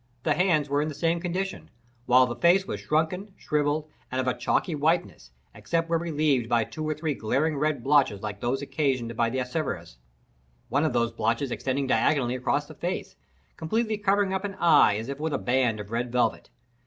The hands were in the same condition, while the face was shrunken, shrivelled, and of a chalky whiteness, except where relieved by two or three glaring red blotches like those occasioned by the erysipelas: one of these blotches extended diagonally across the face, completely covering up an eye as if with a band of red velvet.